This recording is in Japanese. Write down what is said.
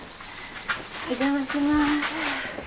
お邪魔します。